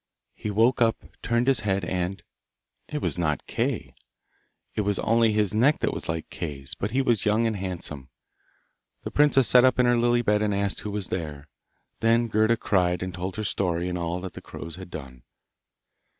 He woke up, turned his head and it was not Kay! It was only his neck that was like Kay's, but he was young and handsome. The princess sat up in her lily bed and asked who was there. Then Gerda cried, and told her story and all that the crows had done.